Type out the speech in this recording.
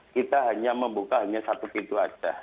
kita hanya membuka hanya satu pintu saja